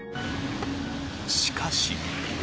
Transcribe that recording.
しかし。